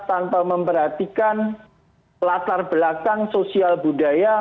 tanpa memperhatikan latar belakang sosial budaya